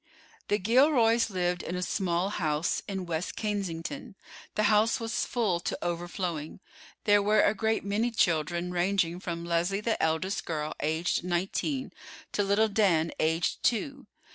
The Gilroys lived in a small house in West Kensington. The house was full to overflowing. There were a great many children, ranging from Leslie the eldest girl, aged nineteen, to little Dan, aged two.